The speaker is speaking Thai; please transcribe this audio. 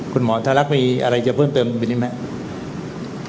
คุณหมอถ้าลักษณ์มีอะไรจะเพิ่มเติมอย่างนี้ไหม